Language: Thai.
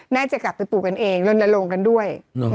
น่าจะกลับไปปลูกกันเองลนลงกันด้วย